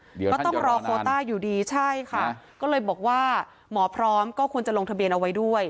เดี๋ยวก็ต้องรอโคต้าอยู่ดีใช่ค่ะก็เลยบอกว่าหมอพร้อมก็ควรจะลงทะเบียนเอาไว้ด้วย